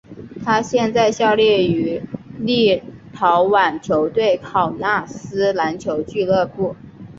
他现在效力于立陶宛球队考纳斯篮球俱乐部。